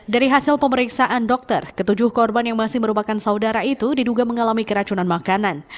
dari hasil pemeriksaan dokter ketujuh korban yang masih merupakan saudara itu diduga mengalami keracunan makanan